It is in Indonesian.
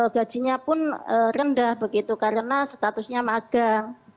gajinya pun rendah begitu karena statusnya magang